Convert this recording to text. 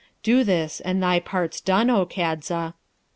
Do this, and thy part's done, O Kadza!'